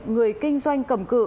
người kinh doanh cầm cự